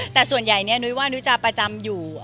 แต่ส่วนใหญ่นี้นุ้ยว่านุ้ยจะประจำอยู่